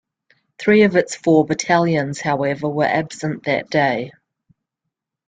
Three of its four battalions, however, were absent that day.